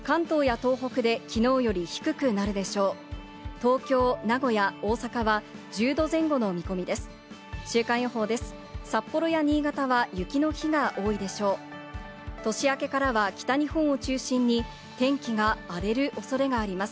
東京、名古屋、大阪は１０度前後の見込みです。